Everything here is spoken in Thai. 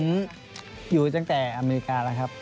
ผมอยู่ตั้งแต่อเมริกาแล้วครับ